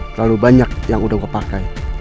terlalu banyak yang udah gue pakai